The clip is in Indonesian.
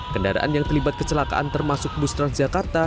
kendaraan yang terlibat kecelakaan termasuk bus transjakarta